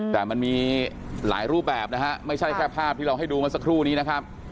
แต่มันมีหลายรูปแบบนะฮะไม่ใช่แค่ภาพที่เราให้ดูเมื่อสักครู่นี้นะครับ